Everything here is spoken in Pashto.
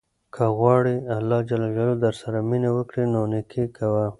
که غواړې اللهﷻ درسره مینه وکړي نو نېکي کوه.